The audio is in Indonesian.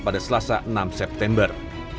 pada selasa enam september